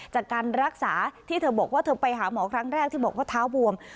จากการรักษาที่เธอบอกว่าเธอไปหาหมอครั้งแรกที่บอกว่าเท้าบวม